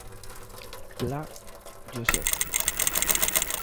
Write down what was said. Pla, Josep.